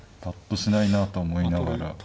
パッとしないなあと思いながら。